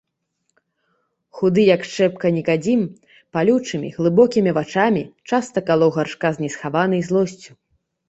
Худы, як шчэпка, Нікадзім палючымі, глыбокімі вачамі часта калоў Гаршка з несхаванай злосцю.